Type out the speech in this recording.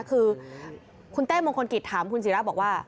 คือคุณเต้มงคลกิจถามคุณศิราบอกว่า